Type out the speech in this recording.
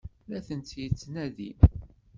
La tent-yettnadi?